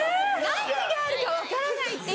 何があるか分からないっていう。